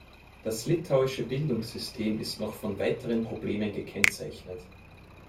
Das litauische Bildungssystem ist noch von weiteren Problemen gekennzeichnet.